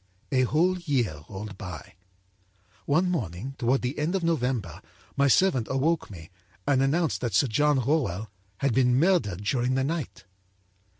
âA whole year rolled by. One morning, toward the end of November, my servant awoke me and announced that Sir John Rowell had been murdered during the night.